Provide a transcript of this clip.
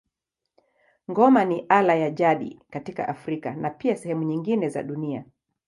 Ngoma ni ala ya jadi katika Afrika na pia sehemu nyingine za dunia.